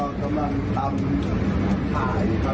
คล่องแคล่าด้วย